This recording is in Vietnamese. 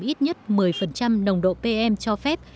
ít nhất một mươi nồng độ pm cho phép